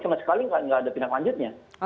sama sekali nggak ada tindak lanjutnya